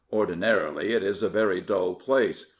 Ordinarily it is a very dull place.